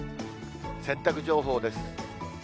洗濯情報です。